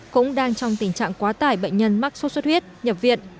cũng đang trong tình trạng quá tải bệnh nhân mắc suốt huyết nhập viện